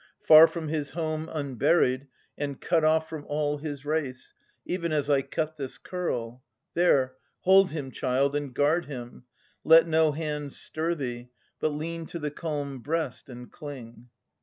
Far from his home, unburied, and cut off From all his race, even as I cut this curl. There, hold him,. child, and guard him; let no hand Stir thee, but lean to the calm breast and cling.